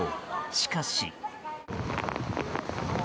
しかし。